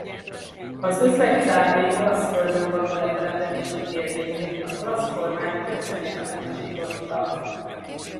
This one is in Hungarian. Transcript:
Az özvegy cárné olasz földön való letelepedési kérvényét az olasz kormány többször is elutasította.